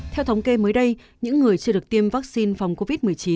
theo thống kê mới đây những người chưa được tiêm vaccine phòng covid một mươi chín